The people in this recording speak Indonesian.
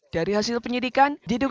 dari hasil penyidikan